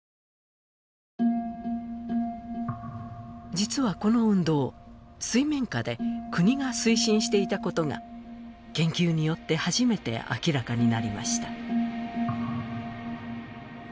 実は、この運動、水面下で国が推進していたことが研究によって初めて明らかになりました。